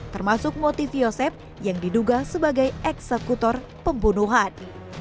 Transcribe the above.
termasuk motif yosep yang diduga sebagai eksekutor pembunuhan